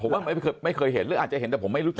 ผมว่าไม่เคยเห็นหรืออาจจะเห็นแต่ผมไม่รู้จัก